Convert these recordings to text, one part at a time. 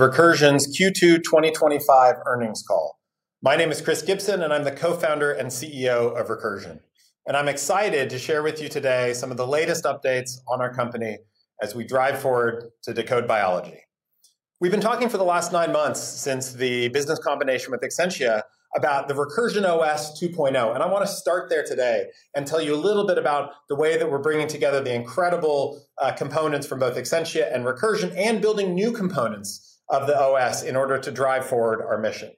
Recursion's Q2 2025 earnings call. My name is Chris Gibson, and I'm the Co-Founder and CEO of Recursion. I'm excited to share with you today some of the latest updates on our company as we drive forward to decode biology. We've been talking for the last nine months since the business combination with Exscientia about the Recursion OS 2.0. I want to start there today and tell you a little bit about the way that we're bringing together the incredible components from both Exscientia and Recursion and building new components of the OS in order to drive forward our mission.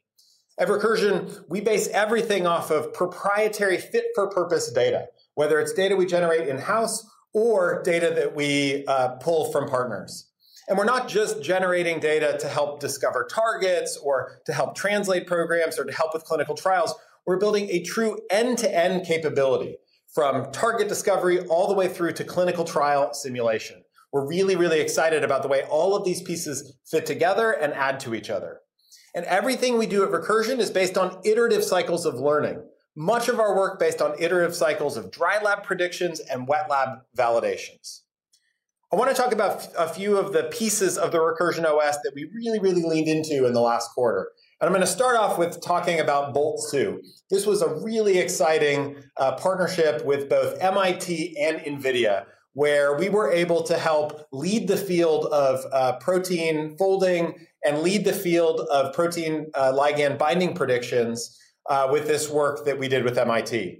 At Recursion, we base everything off of proprietary fit-for-purpose data, whether it's data we generate in-house or data that we pull from partners. We're not just generating data to help discover targets or to help translate programs or to help with clinical trials. We're building a true end-to-end capability from target discovery all the way through to clinical trial simulation. We're really, really excited about the way all of these pieces fit together and add to each other. Everything we do Recursion is based on iterative cycles of learning. Much of our work is based on iterative cycles of dry lab predictions and wet lab validations. I want to talk about a few of the pieces of the Recursion OS that we really, really leaned into in the last quarter. I'm going to start off with talking about Boltz-2. This was a really exciting partnership with both the MIT and NVIDIA, where we were able to help lead the field of protein folding and lead the field of protein ligand binding predictions with this work that we did with MIT.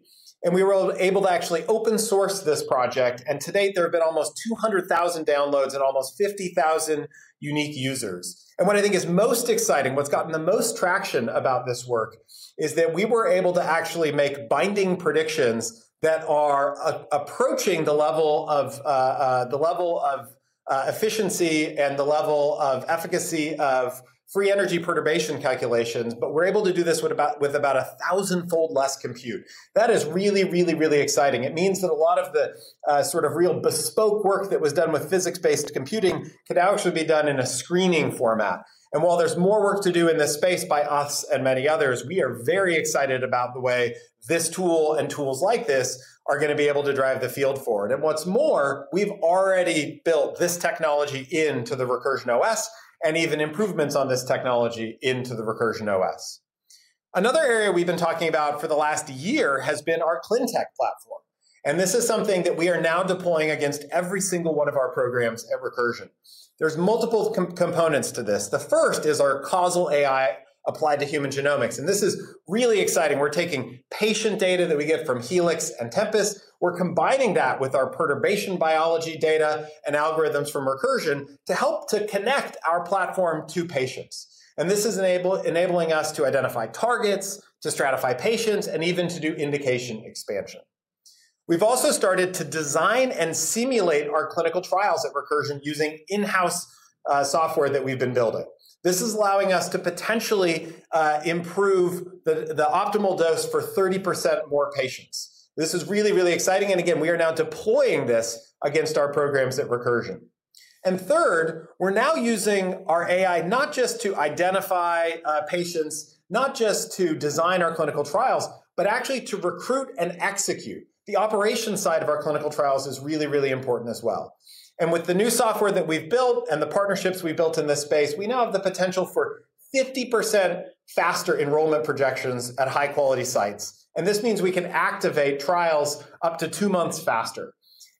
We were able to actually open source this project. To date, there have been almost 200,000 downloads and almost 50,000 unique users. What I think is most exciting, what's gotten the most traction about this work, is that we were able to actually make binding predictions that are approaching the level of efficiency and the level of efficacy of free energy perturbation calculations. We're able to do this with about a thousand-fold less compute. That is really, really, really exciting. It means that a lot of the sort of real bespoke work that was done with physics-based computing can actually be done in a screening format. While there's more work to do in this space by us and many others, we are very excited about the way this tool and tools like this are going to be able to drive the field forward. What's more, we've already built this technology into the Recursion OS and even improvements on this technology into the Recursion OS. Another area we've been talking about for the last year has been our ClinTech platform. This is something that we are now deploying against every single one of our programs at Recursion. There are multiple components to this. The first is our causal AI applied to human genomics. This is really exciting. We're taking patient data that we get from Helix and Tempus, combining that with our perturbation biology data and algorithms from Recursion to help to connect our platform to patients. This is enabling us to identify targets, to stratify patients, and even to do indication expansion. We've also started to design and simulate our clinical trials at Recursion using in-house software that we've been building. This is allowing us to potentially improve the optimal dose for 30% more patients. This is really, really exciting. We are now deploying this against our programs at Recursion. Third, we're now using our AI not just to identify patients, not just to design our clinical trials, but actually to recruit and execute. The operation side of our clinical trials is really, really important as well. With the new software that we've built and the partnerships we've built in this space, we now have the potential for 50% faster enrollment projections at high-quality sites. This means we can activate trials up to two months faster.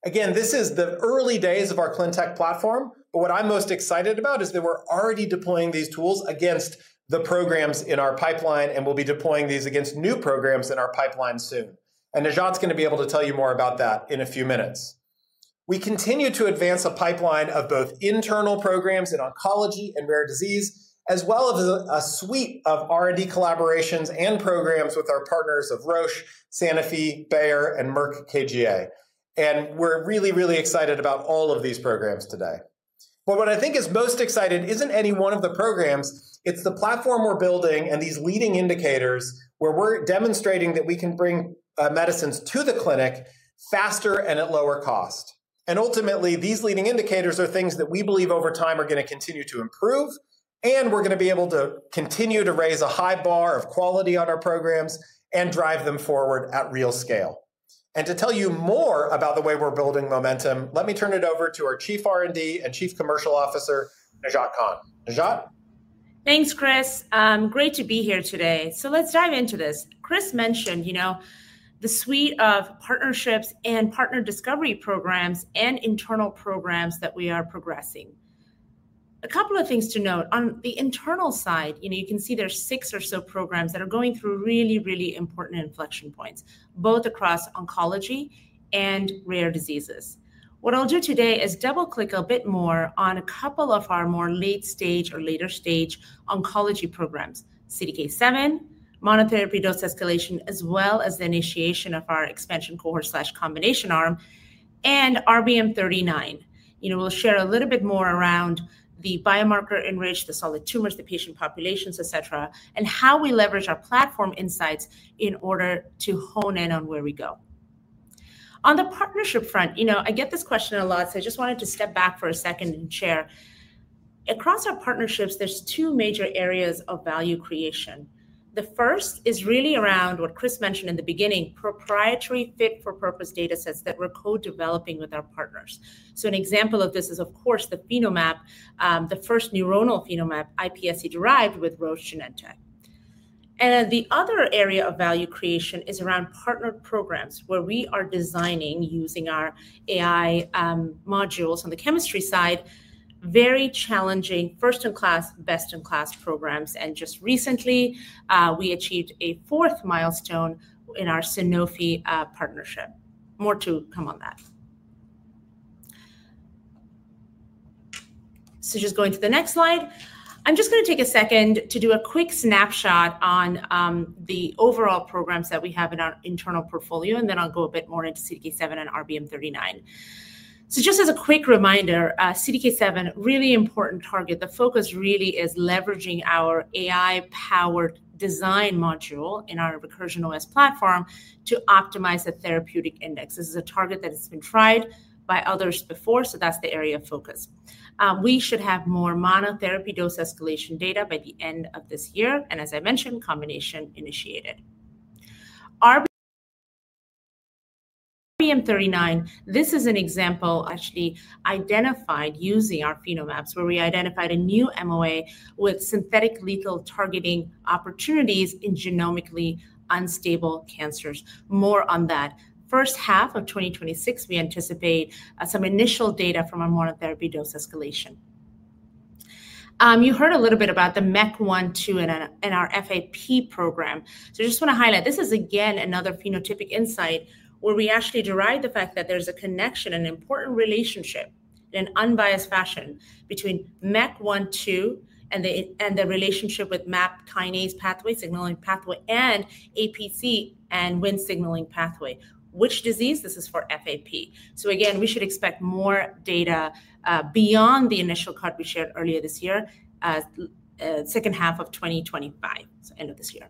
This is the early days of our ClinTech platform. What I'm most excited about is that we're already deploying these tools against the programs in our pipeline. We'll be deploying these against new programs in our pipeline soon. Najat Khan is going to be able to tell you more about that in a few minutes. We continue to advance a pipeline of both internal programs in oncology and rare disease, as well as a suite of R&D collaborations and programs with our partners Roche, Sanofi, Bayer, and Merck KGaA. We're really, really excited about all of these programs today. What I think is most exciting isn't any one of the programs. It's the platform we're building and these leading indicators where we're demonstrating that we can bring medicines to the clinic faster and at lower cost. Ultimately, these leading indicators are things that we believe over time are going to continue to improve. We are going to be able to continue to raise a high bar of quality on our programs and drive them forward at real scale. To tell you more about the way we are building momentum, let me turn it over to our Chief R&D and Chief Commercial Officer, Najat Khan. Najat? Thanks, Chris. Great to be here today. Let's dive into this. Chris mentioned the suite of partnerships and partner discovery programs and internal programs that we are progressing. A couple of things to note on the internal side, you can see there are six or so programs that are going through really, really important inflection points, both across oncology and rare diseases. What I'll do today is double-click a bit more on a couple of our more late-stage or later-stage oncology programs: CDK7, monotherapy dose escalation, as well as the initiation of our expansion cohort/combination arm, and RBM39. We'll share a little bit more around the biomarker enriched, the solid tumors, the patient populations, et cetera, and how we leverage our platform insights in order to hone in on where we go. On the partnership front, I get this question a lot. I just wanted to step back for a second and share. Across our partnerships, there are two major areas of value creation. The first is really around what Chris mentioned in the beginning, proprietary fit-for-purpose data sets that we're co-developing with our partners. An example of this is, of course, the Phenomap, the first neuronal Phenomap, iPSC-derived with Roche Genentech. The other area of value creation is around partnered programs where we are designing using our AI modules on the chemistry side, very challenging first-in-class, best-in-class programs. Just recently, we achieved a fourth milestone in our Sanofi partnership. More to come on that. Going to the next slide, I'm going to take a second to do a quick snapshot on the overall programs that we have in our internal portfolio. Then I'll go a bit more into CDK7 and RBM39. Just as a quick reminder, CDK7, really important target. The focus really is leveraging our AI-powered design module in our Recursion OS 2.0 platform to optimize the therapeutic index. This is a target that has been tried by others before. That's the area of focus. We should have more monotherapy dose escalation data by the end of this year, and as I mentioned, combination initiated. RBM39, this is an example actually identified using our Phenomaps where we identified a new MOA with synthetic lethal targeting opportunities in genomically unstable cancers. More on that. First half of 2026, we anticipate some initial data from our monotherapy dose escalation. You heard a little bit about the MEK1/2 and our FAP program. I just want to highlight this is, again, another phenotypic insight where we actually derive the fact that there's a connection and an important relationship in an unbiased fashion between MEK1/2 and the relationship with MAP kinase pathway signaling pathway and APC and WN signaling pathway, which disease this is for FAP. We should expect more data beyond the initial cut we shared earlier this year, second half of 2025, end of this year.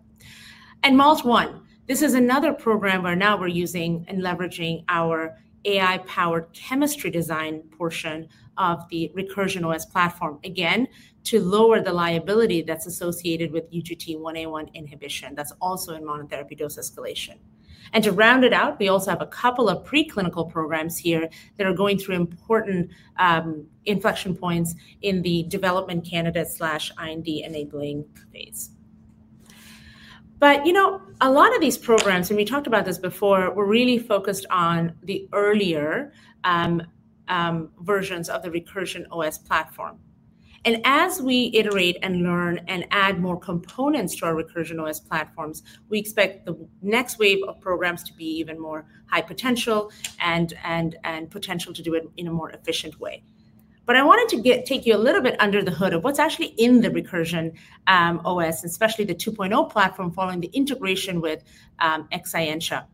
MALT1, this is another program where now we're using and leveraging our AI-powered chemistry design portion of the Recursion OS platform, again, to lower the liability that's associated with UGT1A1 inhibition that's also in monotherapy dose escalation. To round it out, we also have a couple of preclinical programs here that are going through important inflection points in the development candidate/IND enabling phase. A lot of these programs, and we talked about this before, were really focused on the earlier versions of the Recursion OS platform. As we iterate and learn and add more components to our Recursion OS platforms, we expect the next wave of programs to be even more high potential and potential to do it in a more efficient way. I wanted to take you a little bit under the hood of what's actually in the Recursion OS, especially the 2.0 platform following the integration with Exscientia.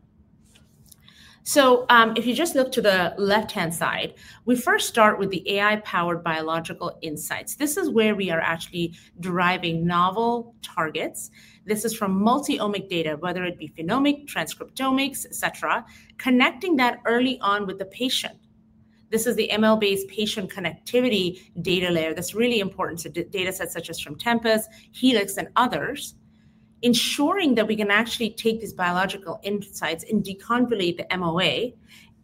If you just look to the left-hand side, we first start with the AI-powered biological insights. This is where we are actually deriving novel targets. This is from multi-omic data, whether it be phenomics, transcriptomics, et cetera, connecting that early on with the patient. This is the ML-based patient connectivity data layer that's really important. Data sets such as from Tempus, Helix, and others, ensuring that we can actually take these biological insights and deconvolute the MOA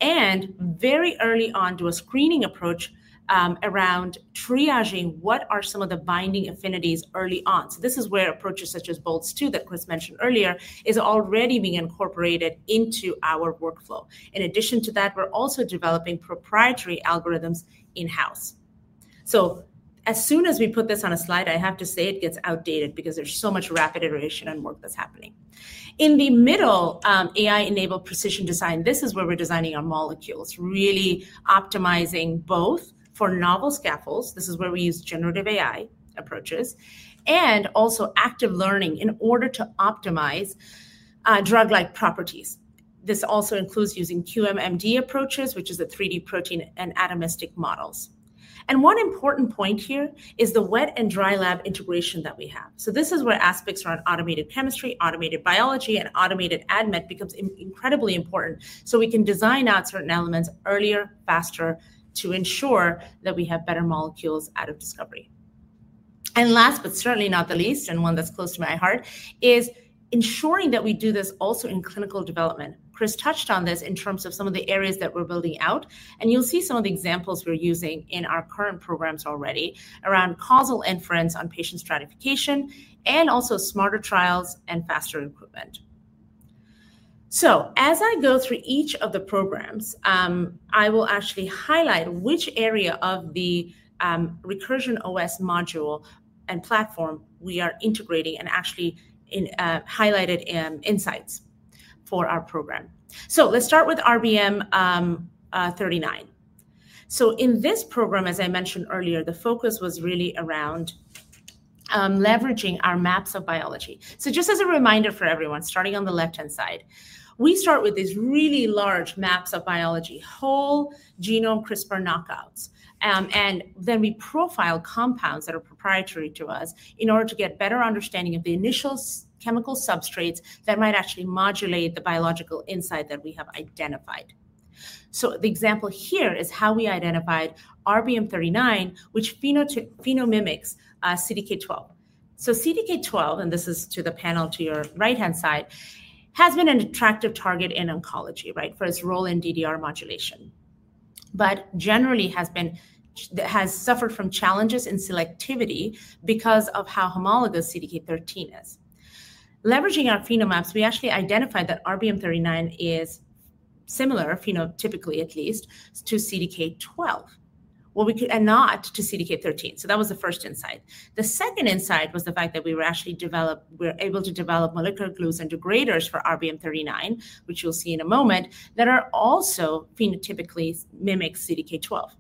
and very early on do a screening approach around triaging what are some of the binding affinities early on. This is where approaches such as Boltz-2 that Chris mentioned earlier are already being incorporated into our workflow. In addition to that, we're also developing proprietary algorithms in-house. As soon as we put this on a slide, I have to say it gets outdated because there's so much rapid iteration and work that's happening. In the middle, AI-enabled precision design, this is where we're designing our molecules, really optimizing both for novel scaffolds. This is where we use generative AI approaches and also active learning in order to optimize drug-like properties. This also includes using QMMD approaches, which is a 3D protein and atomistic model. One important point here is the wet and dry lab integration that we have. This is where aspects around automated chemistry, automated biology, and automated ADMET become incredibly important. We can design out certain elements earlier, faster, to ensure that we have better molecules out of discovery. Last but certainly not the least, and one that's close to my heart, is ensuring that we do this also in clinical development. Chris touched on this in terms of some of the areas that we're building out. You'll see some of the examples we're using in our current programs already around causal inference on patient stratification and also smarter trials and faster recruitment. As I go through each of the programs, I will actually highlight which area of the Recursion OS 2.0 module and platform we are integrating and actually highlighted insights for our program. Let's start with RBM39. In this program, as I mentioned earlier, the focus was really around leveraging our maps of biology. Just as a reminder for everyone, starting on the left-hand side, we start with these really large maps of biology, whole genome CRISPR knockouts. Then we profile compounds that are proprietary to us in order to get a better understanding of the initial chemical substrates that might actually modulate the biological insight that we have identified. The example here is how we identified RBM39, which phenomimics CDK12. CDK12, and this is to the panel to your right-hand side, has been an attractive target in oncology, right, for its role in DDR modulation. Generally, it has suffered from challenges in selectivity because of how homologous CDK13 is. Leveraging our Phenomaps, we actually identified that RBM39 is similar, phenotypically at least, to CDK12 and not to CDK13. That was the first insight. The second insight was the fact that we were actually able to develop molecular glues and degraders for RBM39, which you'll see in a moment, that also phenotypically mimic CDK12.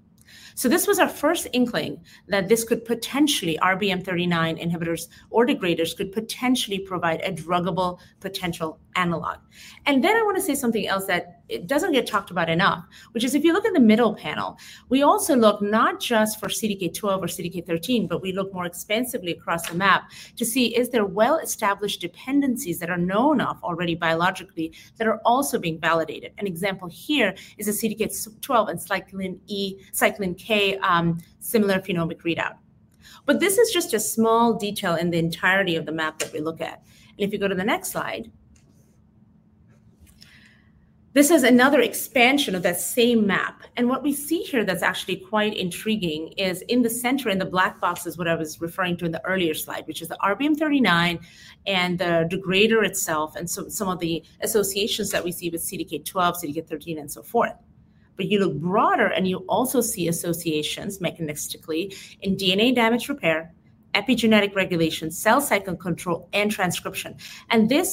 This was our first inkling that this could potentially, RBM39 inhibitors or degraders could potentially provide a druggable potential analog. I want to say something else that doesn't get talked about enough, which is if you look in the middle panel, we also look not just for CDK12 or CDK13, but we look more extensively across the map to see if there are well-established dependencies that are known of already biologically that are also being validated. An example here is a CDK12 and cyclin K similar phenomic readout. This is just a small detail in the entirety of the map that we look at. If you go to the next slide, this is another expansion of that same map. What we see here that's actually quite intriguing is in the center in the black box is what I was referring to in the earlier slide, which is the RBM39 and the degrader itself and some of the associations that we see with CDK12, CDK13, and so forth. You look broader and you also see associations mechanistically in DNA damage repair, epigenetic regulation, cell cycle control, and transcription.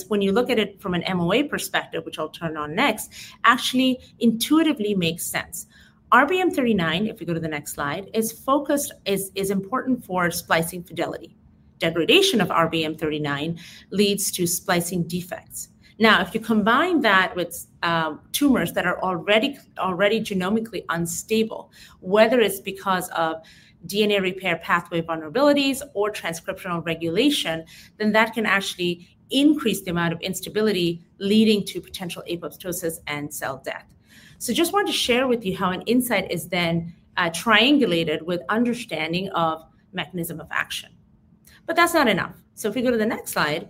When you look at it from an MOA perspective, which I'll turn on next, actually intuitively makes sense. RBM39, if you go to the next slide, is focused, is important for splicing fidelity. Degradation of RBM39 leads to splicing defects. If you combine that with tumors that are already genomically unstable, whether it's because of DNA repair pathway vulnerabilities or transcriptional regulation, that can actually increase the amount of instability leading to potential apoptosis and cell death. I just wanted to share with you how an insight is then triangulated with understanding of mechanism of action. That's not enough. If we go to the next slide,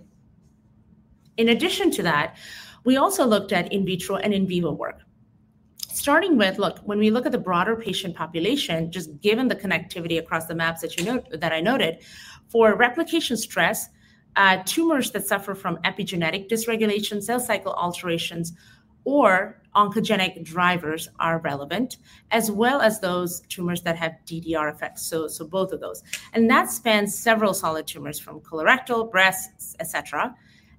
in addition to that, we also looked at in vitro and in vivo work. Starting with, when we look at the broader patient population, just given the connectivity across the maps that I noted, for replication stress, tumors that suffer from epigenetic dysregulation, cell cycle alterations, or oncogenic drivers are relevant, as well as those tumors that have DDR effects. Both of those. That spans several solid tumors from colorectal, breast, et cetera,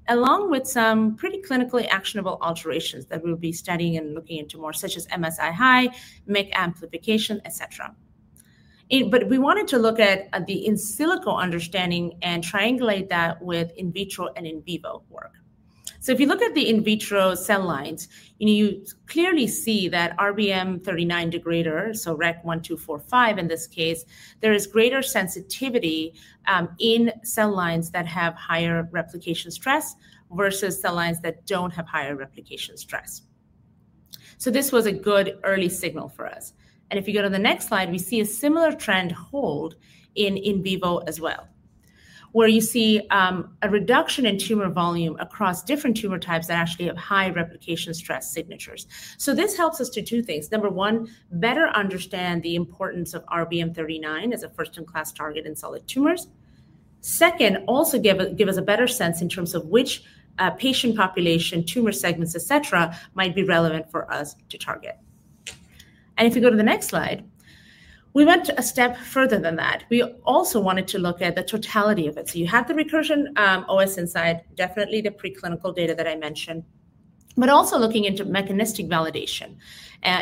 along with some pretty clinically actionable alterations that we will be studying and looking into more, such as MSI high, MEC amplification, et cetera. We wanted to look at the in silico understanding and triangulate that with in vitro and in vivo work. If you look at the in vitro cell lines, you clearly see that RBM39 degrader, so REC-1245 in this case, there is greater sensitivity in cell lines that have higher replication stress versus cell lines that don't have higher replication stress. This was a good early signal for us. If you go to the next slide, we see a similar trend hold in in vivo as well, where you see a reduction in tumor volume across different tumor types that actually have high replication stress signatures. This helps us to do two things. Number one, better understand the importance of RBM39 as a first-in-class target in solid tumors. Second, also give us a better sense in terms of which patient population, tumor segments, et cetera, might be relevant for us to target. If you go to the next slide, we went a step further than that. We also wanted to look at the totality of it. You have the Recursion OS inside, definitely the preclinical data that I mentioned, but also looking into mechanistic validation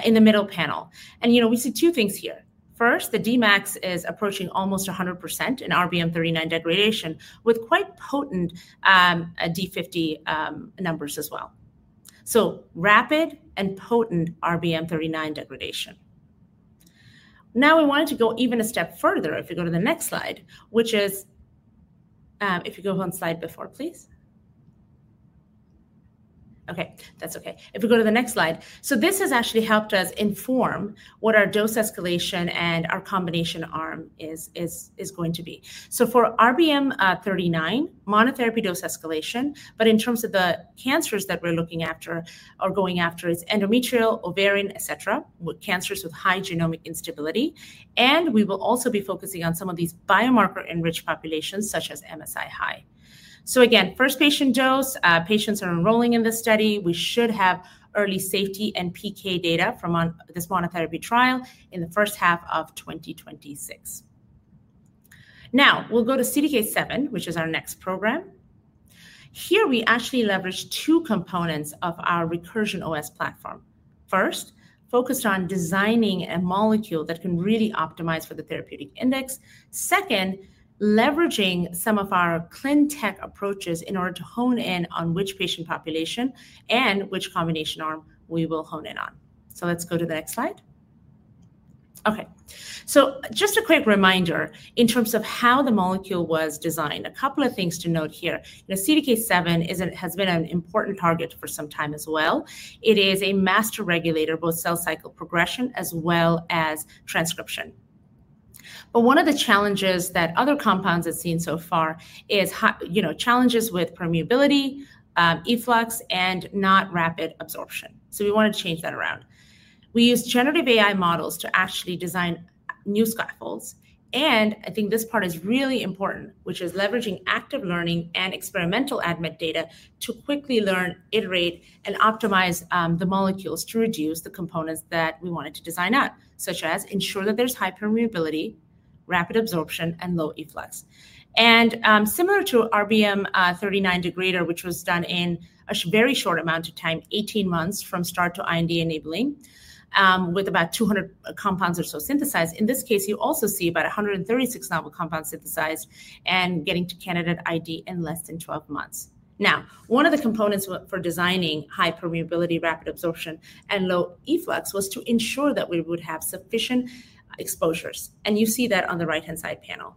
in the middle panel. We see two things here. First, the Dmax is approaching almost 100% in RBM39 degradation with quite potent D50 numbers as well. Rapid and potent RBM39 degradation. We wanted to go even a step further. If you go to the next slide, which is, if you go one slide before, please. OK, that's OK. If you go to the next slide, this has actually helped us inform what our dose escalation and our combination arm is going to be. For RBM39, monotherapy dose escalation, but in terms of the cancers that we're looking after or going after, it's endometrial, ovarian, et cetera, cancers with high genomic instability. We will also be focusing on some of these biomarker-enriched populations such as MSI high. First patient dose, patients are enrolling in this study. We should have early safety and PK data from this monotherapy trial in the first half of 2026. Now, we'll go to CDK7, which is our next program. Here, we actually leverage two components of our Recursion OS platform. First, focused on designing a molecule that can really optimize for the therapeutic index. Second, leveraging some of our ClinTech approaches in order to hone in on which patient population and which combination arm we will hone in on. Let's go to the next slide. OK. Just a quick reminder in terms of how the molecule was designed. A couple of things to note here. CDK7 has been an important target for some time as well. It is a master regulator, both cell cycle progression as well as transcription. One of the challenges that other compounds have seen so far is challenges with permeability, efflux, and not rapid absorption. We want to change that around. We use generative AI models to actually design new scaffolds. I think this part is really important, which is leveraging active learning and experimental ADMET data to quickly learn, iterate, and optimize the molecules to reduce the components that we wanted to design out, such as ensure that there's high permeability, rapid absorption, and low efflux. Similar to RBM39 degrader, which was done in a very short amount of time, 18 months from start to IND enabling, with about 200 compounds or so synthesized. In this case, you also see about 136 novel compounds synthesized and getting to candidate ID in less than 12 months. One of the components for designing high permeability, rapid absorption, and low efflux was to ensure that we would have sufficient exposures. You see that on the right-hand side panel,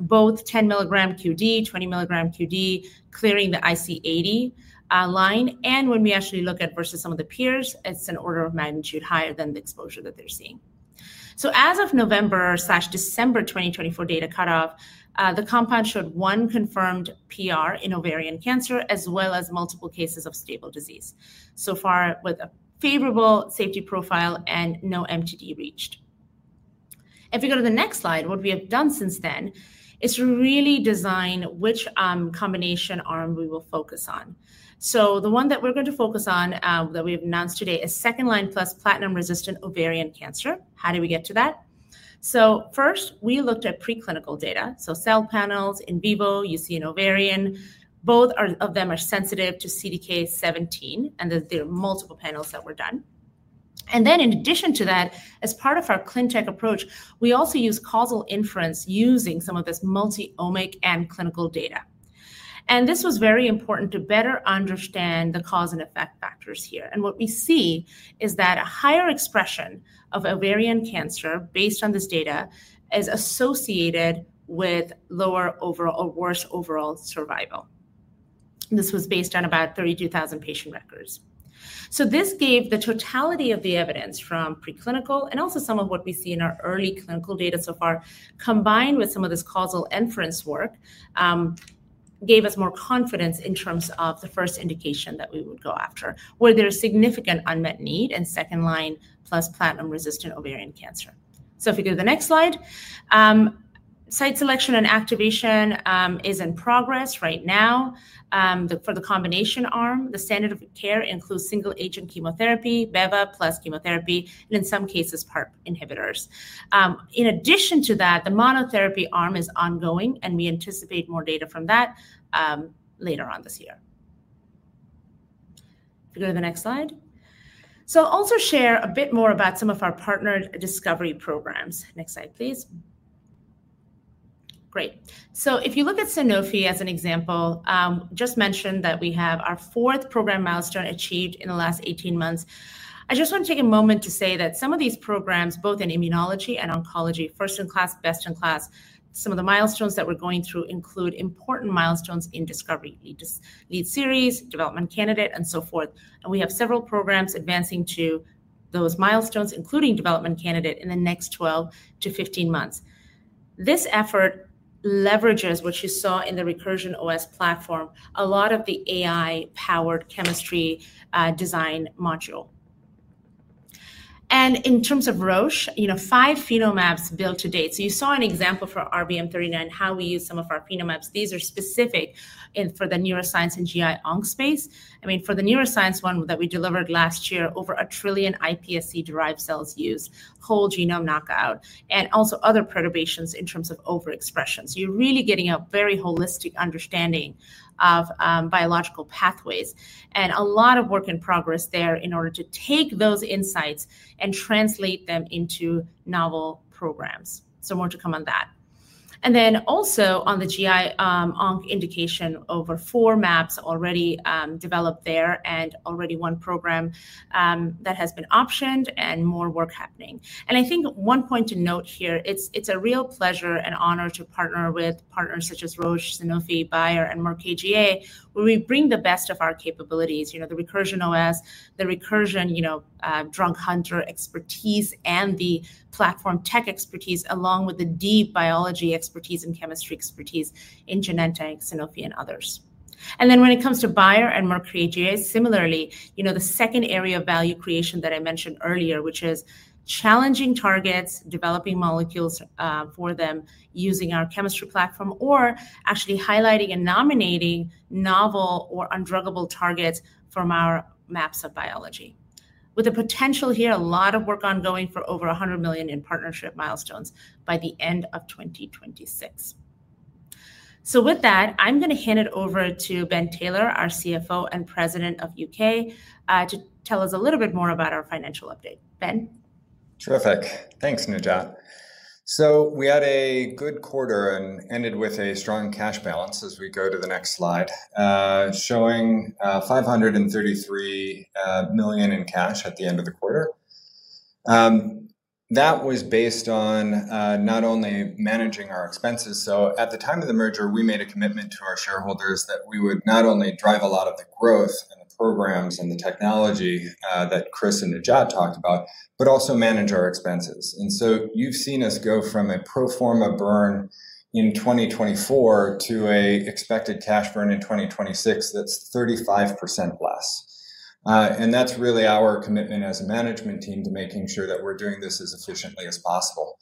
both 10 mg QD, 20 mg QD, clearing the IC80 line. When we actually look at versus some of the peers, it's an order of magnitude higher than the exposure that they're seeing. As of November/December 2024 data cutoff, the compound showed one confirmed PR in ovarian cancer, as well as multiple cases of stable disease. So far, with a favorable safety profile and no MTD reached. If you go to the next slide, what we have done since then is to really design which combination arm we will focus on. The one that we're going to focus on that we have announced today is second line plus platinum-resistant ovarian cancer. How did we get to that? First, we looked at preclinical data. Cell panels in vivo, you see in ovarian, both of them are sensitive to CDK17, and there are multiple panels that were done. In addition to that, as part of our ClinTech approach, we also use causal inference using some of this multi-omic and clinical data. This was very important to better understand the cause and effect factors here. What we see is that a higher expression of ovarian cancer based on this data is associated with lower overall or worse overall survival. This was based on about 32,000 patient records. This gave the totality of the evidence from preclinical and also some of what we see in our early clinical data so far, combined with some of this causal inference work, gave us more confidence in terms of the first indication that we would go after, where there's significant unmet need in second line plus platinum-resistant ovarian cancer. If you go to the next slide, site selection and activation is in progress right now for the combination arm. The standard of care includes single-agent chemotherapy, beva plus chemotherapy, and in some cases, PARP inhibitors. In addition to that, the monotherapy arm is ongoing, and we anticipate more data from that later on this year. If you go to the next slide. I'll also share a bit more about some of our partnered discovery programs. Next slide, please. Great. If you look at Sanofi as an example, I just mentioned that we have our fourth program milestone achieved in the last 18 months. I just want to take a moment to say that some of these programs, both in immunology and oncology, first-in-class, best-in-class, some of the milestones that we're going through include important milestones in discovery, lead series, development candidate, and so forth. We have several programs advancing to those milestones, including development candidate in the next 12 to 15 months. This effort leverages what you saw in the Recursion OS 2.0 platform, a lot of the AI-powered chemistry design module. In terms of Roche, five Phenomaps built to date. You saw an example for RBM39 how we use some of our Phenomaps. These are specific for the neuroscience and GI/ONC space. For the neuroscience one that we delivered last year, over a trillion iPSC-derived cells used, whole genome knockout, and also other perturbations in terms of overexpression. You're really getting a very holistic understanding of biological pathways. A lot of work in progress there in order to take those insights and translate them into novel programs. More to come on that. Also on the GI/ONC indication, over four maps already developed there and already one program that has been optioned and more work happening. I think one point to note here, it's a real pleasure and honor to partner with partners such as Roche, Sanofi, Bayer, and Merck KGaA, where we bring the best of our capabilities, you know, the Recursion OS, the Recursion, you know, Drug Hunter expertise, and the platform tech expertise, along with the deep biology expertise and chemistry expertise in Genentech, Sanofi, and others. When it comes to Bayer and Merck KGaA, similarly, the second area of value creation that I mentioned earlier, which is challenging targets, developing molecules for them using our chemistry platform, or actually highlighting and nominating novel or undruggable targets from our maps of biology. With the potential here, a lot of work ongoing for over $100 million in partnership milestones by the end of 2026. With that, I'm going to hand it over to Ben Taylor, our CFO and President of U.K., to tell us a little bit more about our financial update. Ben. Terrific. Thanks, Najat. We had a good quarter and ended with a strong cash balance, as we go to the next slide, showing $533 million in cash at the end of the quarter. That was based on not only managing our expenses. At the time of the merger, we made a commitment to our shareholders that we would not only drive a lot of the growth and the programs and the technology that Chris and Najat talked about, but also manage our expenses. You have seen us go from a pro forma burn in 2024 to an expected cash burn in 2026 that's 35% less. That's really our commitment as a management team to making sure that we're doing this as efficiently as possible.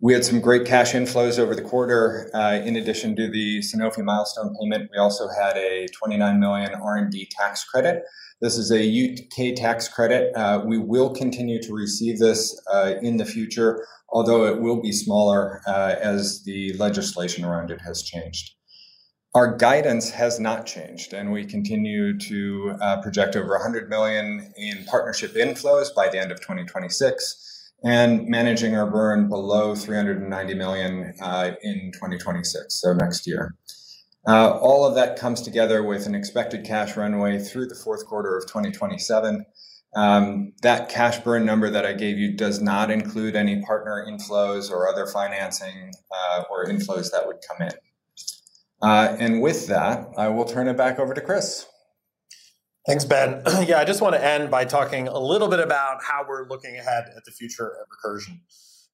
We had some great cash inflows over the quarter. In addition to the Sanofi milestone payment, we also had a $29 million R&D tax credit. This is a U.K. tax credit. We will continue to receive this in the future, although it will be smaller as the legislation around it has changed. Our guidance has not changed, and we continue to project over $100 million in partnership inflows by the end of 2026 and managing a burn below $390 million in 2026, so next year. All of that comes together with an expected cash runway through the fourth quarter of 2027. That cash burn number that I gave you does not include any partner inflows or other financing or inflows that would come in. With that, I will turn it back over to Chris. Thanks, Ben. I just want to end by talking a little bit about how we're looking ahead at the future of Recursion.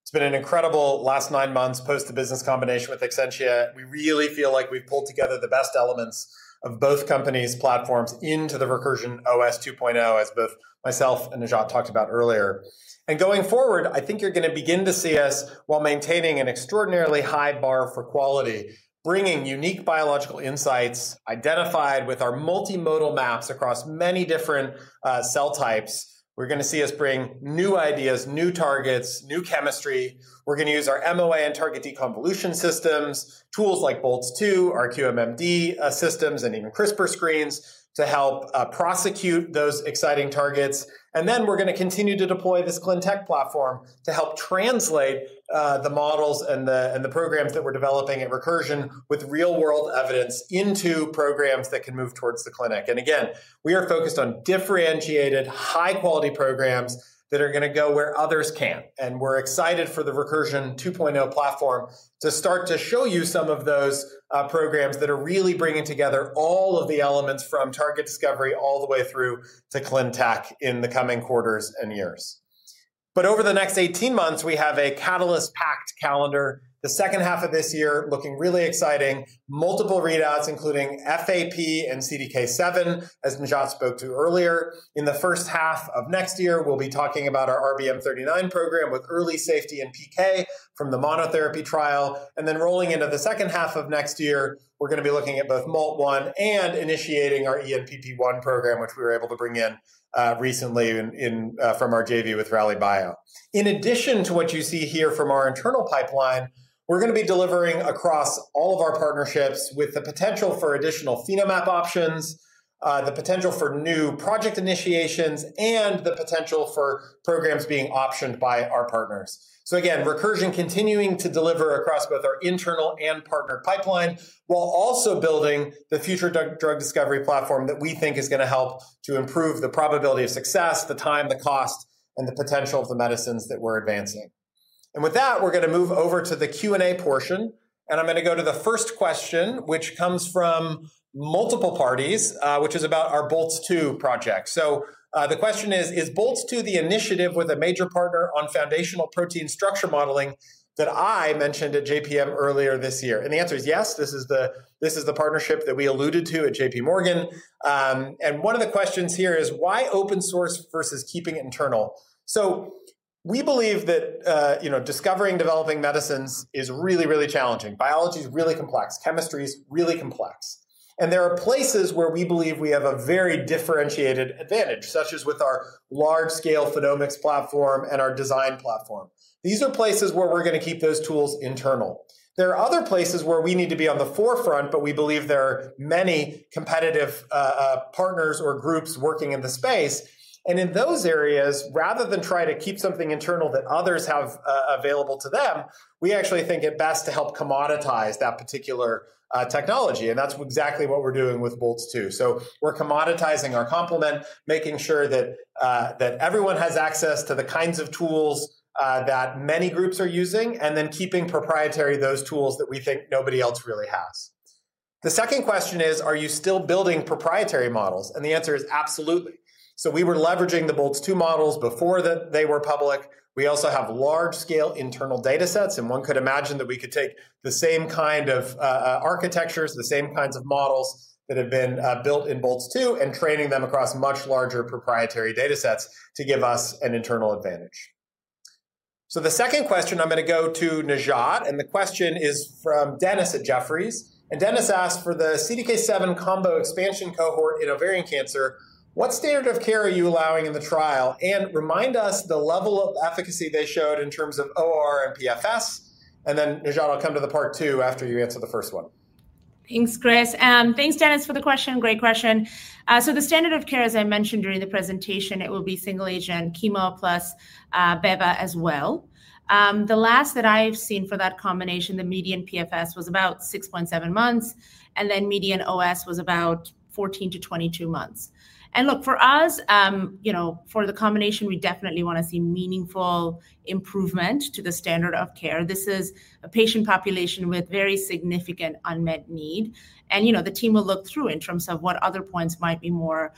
It's been an incredible last nine months post the business combination with Exscientia. We really feel like we've pulled together the best elements of both companies' platforms into the Recursion OS 2.0, as both myself and Najat talked about earlier. Going forward, I think you're going to begin to see us, while maintaining an extraordinarily high bar for quality, bringing unique biological insights identified with our multimodal maps across many different cell types. You're going to see us bring new ideas, new targets, new chemistry. We're going to use our MOA and target deconvolution systems, tools like Boltz-2, our QMMD systems, and even CRISPR screens to help prosecute those exciting targets. We're going to continue to deploy this ClinTech platform to help translate the models and the programs that we're developing Recursion with real-world evidence into programs that can move towards the clinic. We are focused on differentiated, high-quality programs that are going to go where others can't. We're excited for the Recursion 2.0 platform to start to show you some of those programs that are really bringing together all of the elements from target discovery all the way through to ClinTech in the coming quarters and years. Over the next 18 months, we have a catalyst-packed calendar. The second half of this year is looking really exciting, with multiple readouts, including FAP and CDK7, as Najat spoke to earlier. In the first half of next year, we'll be talking about our RBM39 program with early safety and PK from the monotherapy trial. Rolling into the second half of next year, we're going to be looking at both MALT1 and initiating our ENPP1 program, which we were able to bring in recently from our JV with Rallybio. In addition to what you see here from our internal pipeline, we're going to be delivering across all of our partnerships with the potential for additional Phenomap options, the potential for new project initiations, and the potential for programs being optioned by our partners. Recursion is continuing to deliver across both our internal and partnered pipeline while also building the future drug discovery platform that we think is going to help to improve the probability of success, the time, the cost, and the potential of the medicines that we're advancing. With that, we're going to move over to the Q&A portion. I'm going to go to the first question, which comes from multiple parties, which is about our Boltz-2 project. The question is, is Boltz-2 the initiative with a major partner on foundational protein structure modeling that I mentioned at JPM earlier this year? The answer is yes. This is the partnership that we alluded to at JPMorgan. One of the questions here is, why open source versus keeping it internal? We believe that discovering and developing medicines is really, really challenging. Biology is really complex. Chemistry is really complex. There are places where we believe we have a very differentiated advantage, such as with our large-scale phenomics platform and our design platform. These are places where we're going to keep those tools internal. There are other places where we need to be on the forefront, but we believe there are many competitive partners or groups working in the space. In those areas, rather than try to keep something internal that others have available to them, we actually think it's best to help commoditize that particular technology. That's exactly what we're doing with Boltz-2. We're commoditizing our complement, making sure that everyone has access to the kinds of tools that many groups are using, and then keeping proprietary those tools that we think nobody else really has. The second question is, are you still building proprietary models? The answer is absolutely. We were leveraging the Boltz-2 models before they were public. We also have large-scale internal data sets. One could imagine that we could take the same kind of architectures, the same kinds of models that have been built in Boltz-2, and train them across much larger proprietary data sets to give us an internal advantage. The second question, I'm going to go to Najat. The question is from Dennis at Jefferies. Dennis asked for the CDK7 combo expansion cohort in ovarian cancer. What standard of care are you allowing in the trial? Remind us the level of efficacy they showed in terms of OR and PFS. Najat, I'll come to the part two after you answer the first one. Thanks, Chris. Thanks, Dennis, for the question. Great question. The standard of care, as I mentioned during the presentation, will be single-agent chemo plus beva as well. The last that I've seen for that combination, the median PFS was about 6.7 months. The median OS was about 14-22 months. For us, for the combination, we definitely want to see meaningful improvement to the standard of care. This is a patient population with very significant unmet need. The team will look through in terms of what other points might be more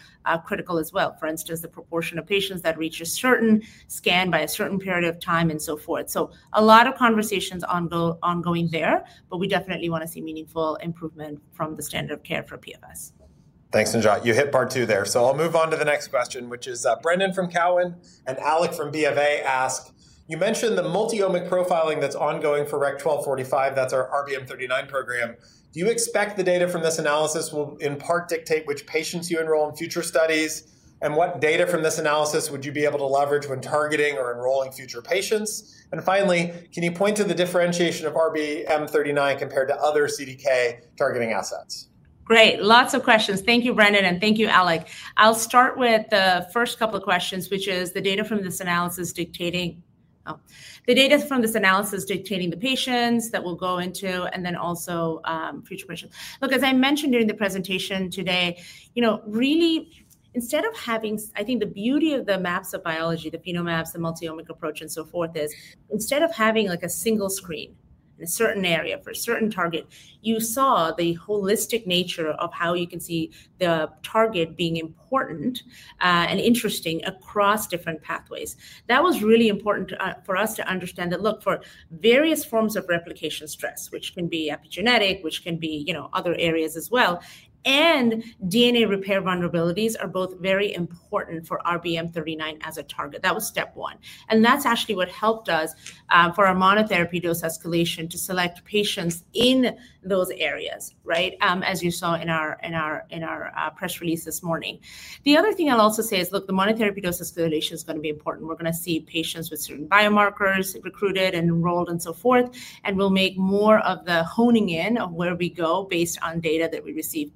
critical as well. For instance, the proportion of patients that reach a certain scan by a certain period of time and so forth. A lot of conversations are ongoing there. We definitely want to see meaningful improvement from the standard of care for PFS. Thanks, Najat. You hit part two there. I'll move on to the next question, which is Brendan from Cowen and Alec from BofA ask, you mentioned the multi-omic profiling that's ongoing for REC-1245. That's our RBM39 program. Do you expect the data from this analysis will in part dictate which patients you enroll in future studies? What data from this analysis would you be able to leverage when targeting or enrolling future patients? Finally, can you point to the differentiation of RBM39 compared to other CDK7 targeting assets? Great. Lots of questions. Thank you, Brendan. Thank you, Alec. I'll start with the first couple of questions, which is the data from this analysis dictating the patients that we'll go into, and then also future patients. As I mentioned during the presentation today, really, instead of having, I think the beauty of the maps of biology, the Phenomaps, the multi-omic approach, and so forth is instead of having like a single screen in a certain area for a certain target, you saw the holistic nature of how you can see the target being important and interesting across different pathways. That was really important for us to understand that, for various forms of replication stress, which can be epigenetic, which can be other areas as well, and DNA repair vulnerabilities are both very important for RBM39 as a target. That was step one. That's actually what helped us for our monotherapy dose escalation to select patients in those areas, as you saw in our press release this morning. The other thing I'll also say is the monotherapy dose escalation is going to be important. We're going to see patients with certain biomarkers recruited and enrolled and so forth. We'll make more of the honing in of where we go based on data that we receive.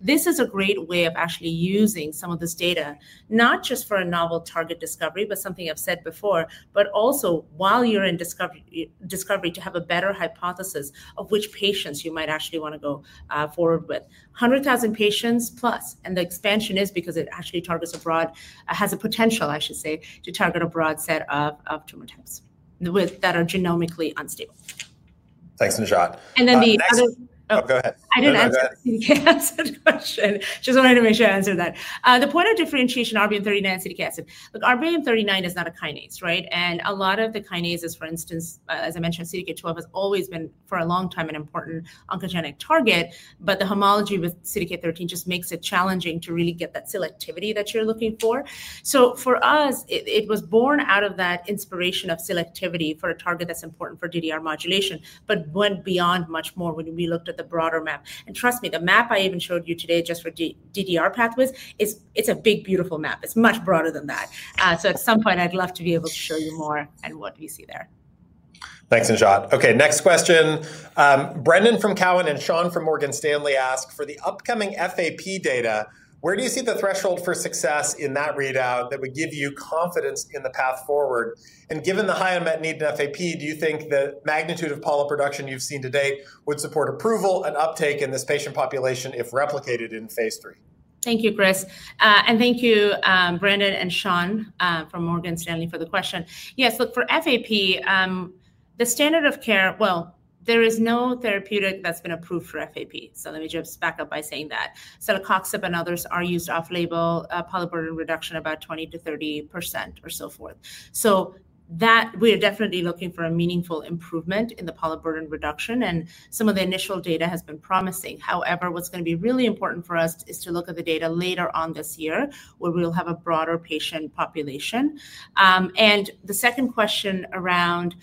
This is a great way of actually using some of this data, not just for a novel target discovery, but something I've said before, also while you're in discovery to have a better hypothesis of which patients you might actually want to go forward with. 100,000+ patients, and the expansion is because it actually targets a broad, has a potential, I should say, to target a broad set of tumor types that are genomically unstable. Thanks, Najat. The other. Go ahead. I didn't answer the question. I just wanted to make sure I answered that. The point of differentiation in RBM39 and CDK7. Look, RBM39 is not a kinase, right? A lot of the kinases, for instance, as I mentioned, CDK12 has always been for a long time an important oncogenic target. The homology with CDK13 just makes it challenging to really get that selectivity that you're looking for. For us, it was born out of that inspiration of selectivity for a target that's important for DDR modulation, but went beyond much more when we looked at the broader map. Trust me, the map I even showed you today just for DDR pathways, it's a big, beautiful map. It's much broader than that. At some point, I'd love to be able to show you more and what we see there. Thanks, Najat. OK, next question. Brendan from Cowen and Sean from Morgan Stanley ask, for the upcoming FAP data, where do you see the threshold for success in that readout that would give you confidence in the path forward? Given the high unmet need in FAP, do you think the magnitude of polyproduction you've seen to date would support approval and uptake in this patient population if replicated in phase III? Thank you, Chris. And thank you, Brendan and Sean from Morgan Stanley for the question. Yes, look, for FAP, the standard of care, there is no therapeutic that's been approved for FAP. Let me just back up by saying that. Celecoxib and others are used off-label for polyp burden reduction, about 20%-30% or so forth. We are definitely looking for a meaningful improvement in the polyp burden reduction, and some of the initial data has been promising. However, what's going to be really important for us is to look at the data later on this year, where we'll have a broader patient population. The second question around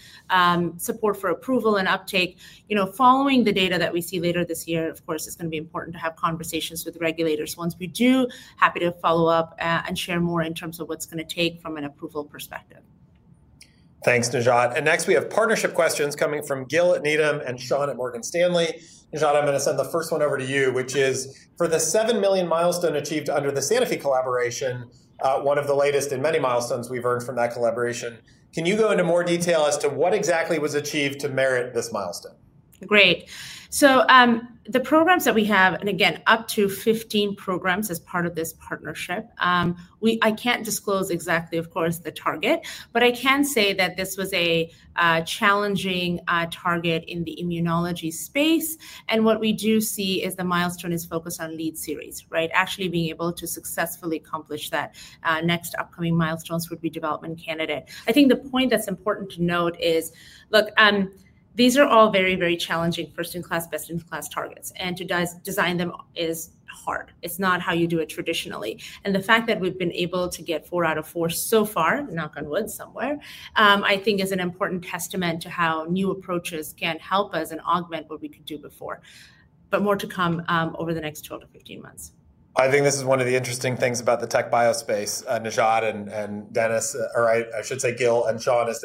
support for approval and uptake, you know, following the data that we see later this year, of course, it's going to be important to have conversations with regulators. Once we do, happy to follow up and share more in terms of what's going to take from an approval perspective. Thanks, Najat. Next, we have partnership questions coming from Gil at Needham and Sean at Morgan Stanley. Najat, I'm going to send the first one over to you, which is, for the $7 million milestone achieved under the Sanofi collaboration, one of the latest in many milestones we've earned from that collaboration, can you go into more detail as to what exactly was achieved to merit this milestone? Great. The programs that we have, and again, up to 15 programs as part of this partnership, I can't disclose exactly, of course, the target. I can say that this was a challenging target in the immunology space. What we do see is the milestone is focused on lead series, right, actually being able to successfully accomplish that. Next upcoming milestones would be development candidate. I think the point that's important to note is, look, these are all very, very challenging first-in-class, best-in-class targets. To design them is hard. It's not how you do it traditionally. The fact that we've been able to get four out of four so far, knock on wood, somewhere, I think is an important testament to how new approaches can help us and augment what we could do before. More to come over the next 12-15 months. I think this is one of the interesting things about the tech biospace, Najat and Ben is, or I should say Gil and Sean, is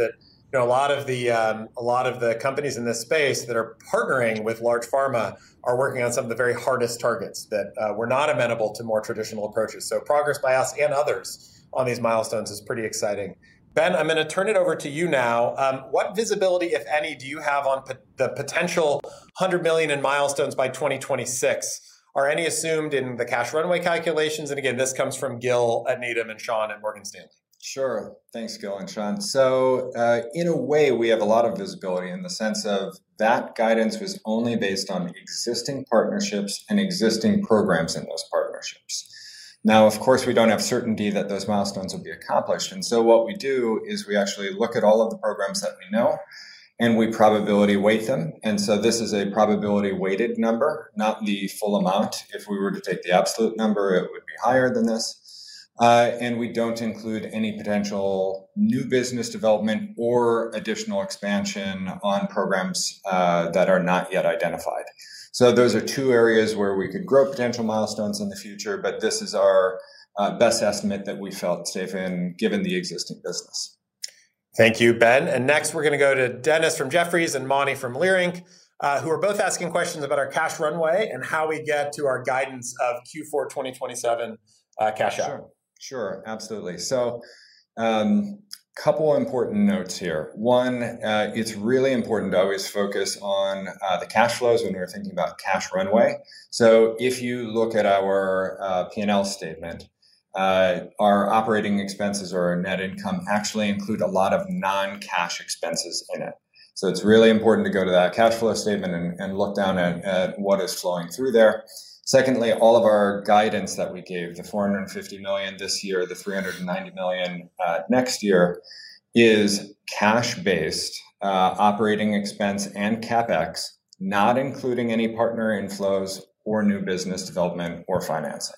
that a lot of the companies in this space that are partnering with large pharma are working on some of the very hardest targets that were not amenable to more traditional approaches. Progress by us and others on these milestones is pretty exciting. Ben, I'm going to turn it over to you now. What visibility, if any, do you have on the potential $100 million in milestones by 2026? Are any assumed in the cash runway calculations? This comes from Gil at Needham and Sean at Morgan Stanley. Sure. Thanks, Gil and Sean. In a way, we have a lot of visibility in the sense that guidance was only based on the existing partnerships and existing programs in those partnerships. Of course, we don't have certainty that those milestones would be accomplished. What we do is we actually look at all of the programs that we know and we probability weight them. This is a probability-weighted number, not the full amount. If we were to take the absolute number, it would be higher than this. We don't include any potential new business development or additional expansion on programs that are not yet identified. Those are two areas where we could grow potential milestones in the future. This is our best estimate that we felt safe in, given the existing business. Thank you, Ben. Next, we're going to go to Dennis from Jefferies and Mani from Leerink, who are both asking questions about our cash runway and how we get to our guidance of Q4 2027 cash out. Sure, absolutely. A couple of important notes here. One, it's really important to always focus on the cash flows when we're thinking about cash runway. If you look at our P&L statement, our operating expenses or our net income actually include a lot of non-cash expenses in it. It's really important to go to that cash flow statement and look down at what is flowing through there. Secondly, all of our guidance that we gave, the $450 million this year, the $390 million next year, is cash-based operating expense and CapEx, not including any partner inflows or new business development or finance.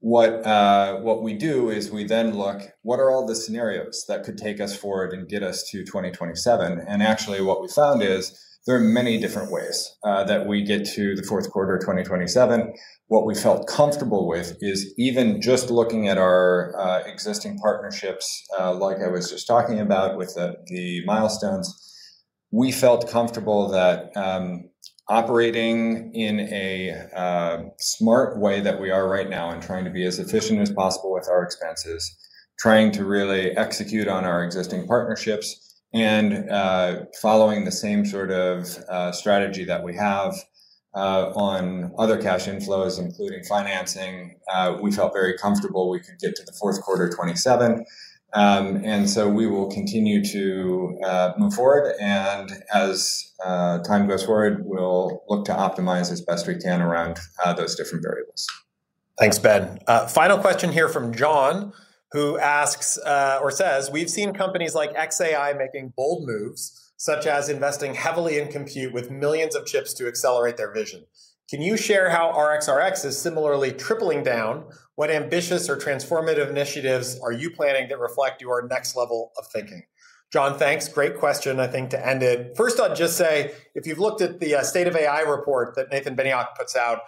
What we do is we then look at what are all the scenarios that could take us forward and get us to 2027. Actually, what we found is there are many different ways that we get to the fourth quarter of 2027. What we felt comfortable with is even just looking at our existing partnerships, like I was just talking about with the milestones, we felt comfortable that operating in a smart way that we are right now and trying to be as efficient as possible with our expenses, trying to really execute on our existing partnerships, and following the same sort of strategy that we have on other cash inflows, including financing, we felt very comfortable we could get to the fourth quarter of 2027. We will continue to move forward. As time goes forward, we'll look to optimize as best we can around those different variables. Thanks, Ben. Final question here from John, who asks or says, we've seen companies like xAI making bold moves, such as investing heavily in compute with millions of chips to accelerate their vision. Can you share how RXRX is similarly tripling down? What ambitious or transformative initiatives are you planning that reflect your next level of thinking? John, thanks. Great question, I think, to end it. First, I'll just say, if you've looked at the State of AI report that Nathan Benaich puts out,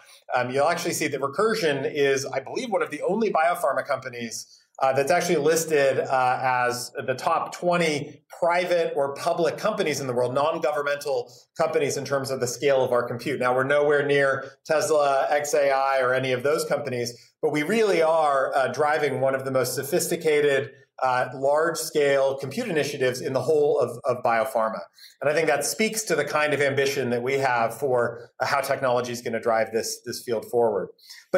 you'll actually see Recursion is, I believe, one of the only biopharma companies that's actually listed as the top 20 private or public companies in the world, non-governmental companies in terms of the scale of our compute. Now, we're nowhere near Tesla, xAI, or any of those companies. We really are driving one of the most sophisticated, large-scale compute initiatives in the whole of biopharma. I think that speaks to the kind of ambition that we have for how technology is going to drive this field forward.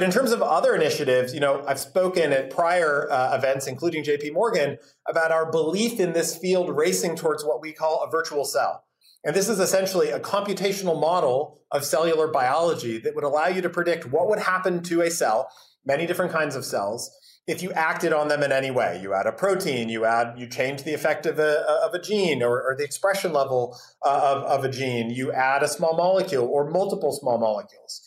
In terms of other initiatives, I've spoken at prior events, including JPMorgan, about our belief in this field racing towards what we call a virtual cell. This is essentially a computational model of cellular biology that would allow you to predict what would happen to a cell, many different kinds of cells, if you acted on them in any way. You add a protein, you change the effect of a gene or the expression level of a gene, you add a small molecule or multiple small molecules.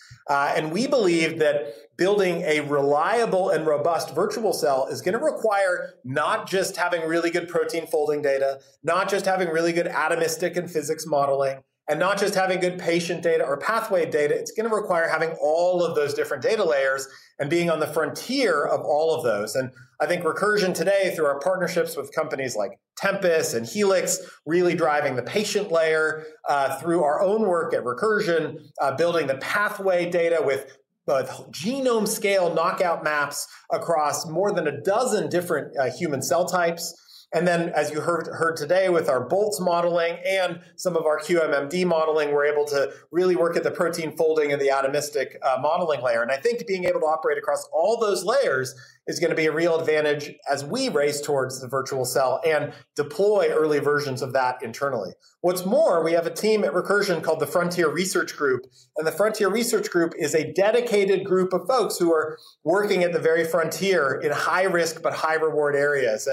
We believe that building a reliable and robust virtual cell is going to require not just having really good protein folding data, not just having really good atomistic and physics modeling, and not just having good patient data or pathway data. It's going to require having all of those different data layers and being on the frontier of all of those. I think Recursion today, through our partnerships with companies like Tempus and Helix, is really driving the patient layer through our own work at Recursion, building the pathway data with both genome scale knockout maps across more than a dozen different human cell types. As you heard today, with our Boltz modeling and some of our QMMD modeling, we're able to really work at the protein folding and the atomistic modeling layer. I think being able to operate across all those layers is going to be a real advantage as we race towards the virtual cell and deploy early versions of that internally. What's more, we have a team Recursion called the Frontier Research Group. The Frontier Research Group is a dedicated group of folks who are working at the very frontier in high-risk but high-reward areas.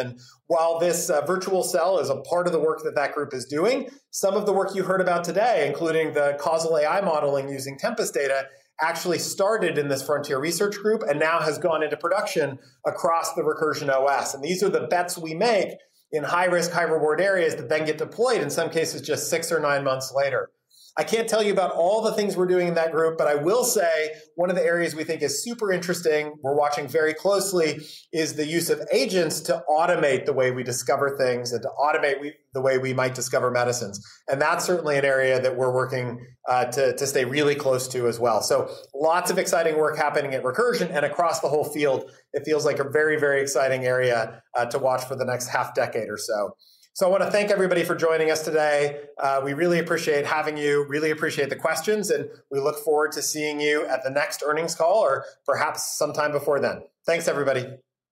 While this virtual cell is a part of the work that group is doing, some of the work you heard about today, including the causal AI modeling using Tempus data, actually started in this Frontier Research Group and now has gone into production across the Recursion OS 2.0. These are the bets we make in high-risk, high-reward areas that then get deployed, in some cases, just six or nine months later. I can't tell you about all the things we're doing in that group. I will say one of the areas we think is super interesting, we're watching very closely, is the use of agents to automate the way we discover things and to automate the way we might discover medicines. That's certainly an area that we're working to stay really close to as well. Lots of exciting work is happening Recursion and across the whole field. It feels like a very, very exciting area to watch for the next half decade or so. I want to thank everybody for joining us today. We really appreciate having you. Really appreciate the questions. We look forward to seeing you at the next earnings call or perhaps sometime before then. Thanks, everybody.